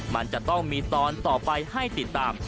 มันจะต้องมีตอนต่อไปให้ติดตาม